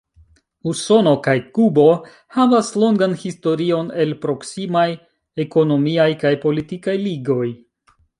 Usono kaj Kubo havas longan historion el proksimaj ekonomiaj kaj politikaj ligoj.